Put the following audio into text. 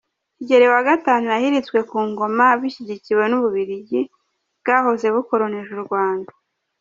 Kigeli V yahiritswe ku ngoma bishyigikiwe n'Ububiligi, bwahoze bukolonije u Rwanda.